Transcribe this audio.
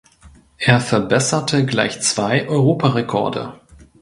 Er verbesserte gleich zwei Europarekorde.